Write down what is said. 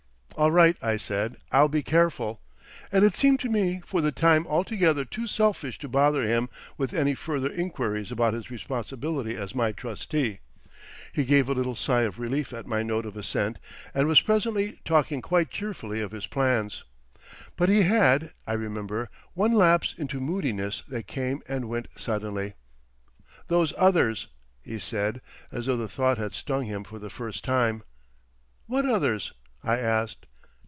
"All right," I said, "I'll be careful"; and it seemed to me for the time altogether too selfish to bother him with any further inquiries about his responsibility as my trustee. He gave a little sigh of relief at my note of assent, and was presently talking quite cheerfully of his plans.... But he had, I remember, one lapse into moodiness that came and went suddenly. "Those others!" he said, as though the thought had stung him for the first time. "What others?" I asked.